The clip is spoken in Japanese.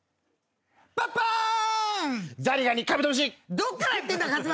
どっからやってんだ勝俣！